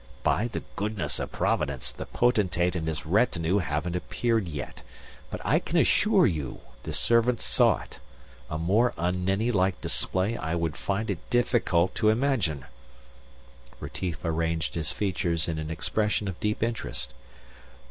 "By the goodness of Providence, the Potentate and his retinue haven't appeared yet. But I can assure you the servants saw it. A more un Nenni like display I would find it difficult to imagine!" Retief arranged his features in an expression of deep interest.